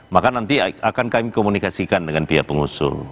maka nanti akan kami komunikasikan dengan pihak pengusung